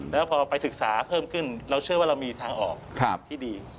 แล้วพอไปศึกษาเพิ่มขึ้นเราเชื่อว่าเรามีทางออกที่ดี